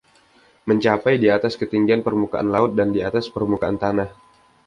Mencapai di atas ketinggian permukaan laut dan di atas permukaan tanah.